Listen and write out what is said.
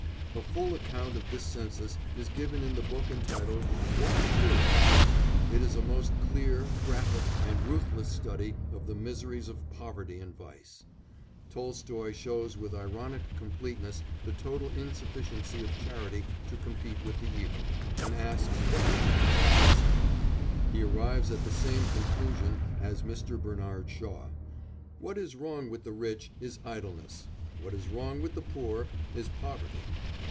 A full account of this census is given in the book entitled What to Do? It is a most clear, graphic, and ruthless study of the miseries of poverty and vice; Tolstoy shows with ironic completeness the total insufficiency of charity to compete with the evil, and asks what remedies are possible. He arrives at the same conclusion as Mr. Bernard Shaw: "What is wrong with the rich is idleness; what is wrong with the poor is poverty."